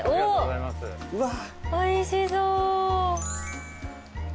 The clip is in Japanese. おおいしそう。